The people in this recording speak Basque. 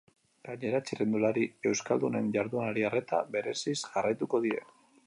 Gainera, txirrindulari euskaldunen jardunari arreta bereziz jarraituko die.